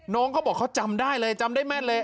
เขาบอกเขาจำได้เลยจำได้แม่นเลย